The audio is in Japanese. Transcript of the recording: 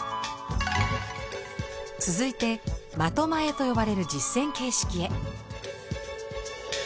続いて「的前」と呼ばれる実践形式へ。